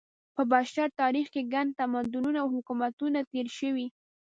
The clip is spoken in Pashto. په بشر تاریخ کې ګڼ تمدنونه او حکومتونه تېر شوي.